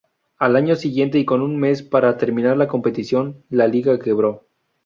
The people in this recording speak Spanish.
Al año siguiente, y con un mes para terminar la competición, la liga quebró.